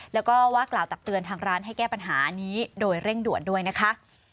แล้วก็ว่ากล่าวตักเตือนทางร้านให้แก้ปัญหานี้โดยเร่งด่วนด้วยนะคะ